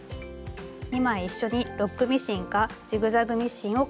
２枚一緒にロックミシンかジグザグミシンをかけておきます。